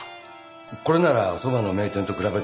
これならそばの名店と比べても遜色ない。